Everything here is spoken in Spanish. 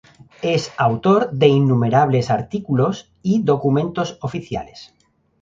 Es autor de innumerables artículos y documentos oficiales.